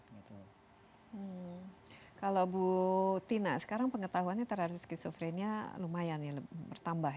kalau bu tina sekarang pengetahuannya terhadap skizofrenia lumayan ya bertambah ya